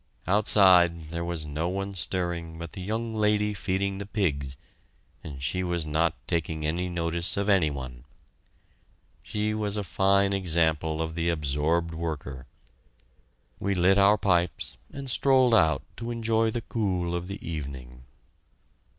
Outside there was no one stirring but the young lady feeding the pigs, and she was not taking any notice of any one. She was a fine example of the absorbed worker. We lit our pipes and strolled out to enjoy the cool of the evening.